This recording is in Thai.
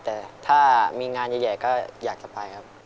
แต่ถ้ามีงานใหญ่ก็อยากจะไปครับ